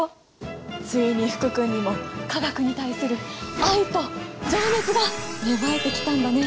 ついに福君にも化学に対する愛と情熱が芽生えてきたんだね！